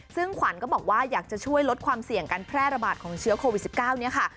ซึ่งขวัญก็บอกว่าอยากจะช่วยลดความเสี่ยงการแพร่ระบาดของเชื้อโควิด๑๙เนี่ยค่ะ